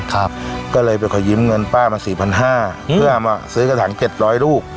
ครับก็เลยไปขอยืมเงินป้ามาสี่พันห้าเพื่อมาซื้อกระถังเจ็ดร้อยลูก